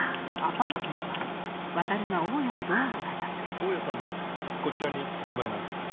大家さんもこちらにお住まいなんですか？